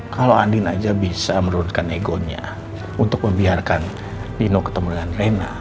kalau andin aja bisa menurutkan egonya untuk membiarkan nino ketemu dengan reina